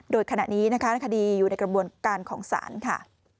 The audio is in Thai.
โดยขณะนี้นะคะคดีอยู่ในกระบวนการของศาลค่ะ